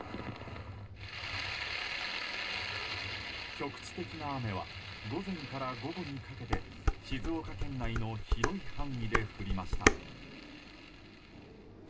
局地的な雨は午前から午後にかけて静岡県内の広い範囲で降りました。